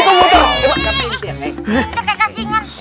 teteh kasih kan